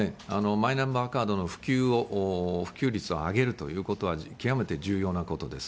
マイナンバーカードの普及率を上げるということは、極めて重要なことです。